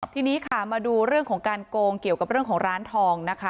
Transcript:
ทีนี้ค่ะมาดูเรื่องของการโกงเกี่ยวกับเรื่องของร้านทองนะคะ